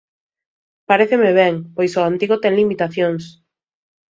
Paréceme ben, pois o antigo ten limitacións.